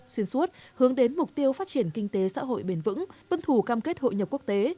xuyên suốt hướng đến mục tiêu phát triển kinh tế xã hội bền vững tuân thủ cam kết hội nhập quốc tế